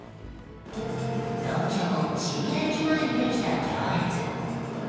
東京・渋谷駅前にできた行列。